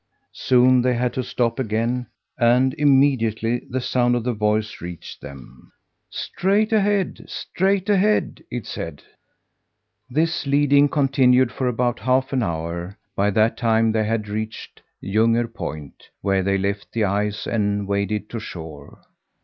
Soon they had to stop again, and immediately the sound of the voice reached them. "Straight ahead, straight ahead!" it said. This leading continued for about half an hour; by that time they had reached Ljunger Point, where they left the ice and waded to shore.